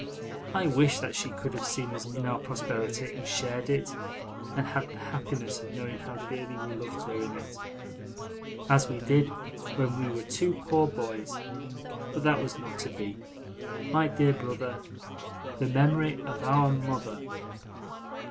I wish that she could have seen us in our prosperity, and shared it, and had the happiness of knowing how dearly we loved her in it, as we did when we were two poor boys; but that was not to be. My dear brother The Memory of our Mother.